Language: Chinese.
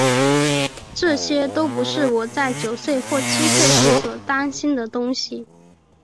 这些都不是我在九岁或七岁时所担心的东西。